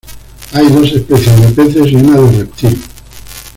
Hay dos especies de peces y una de reptil.